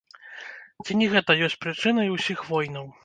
Ці не гэта ёсць прычынай усіх войнаў?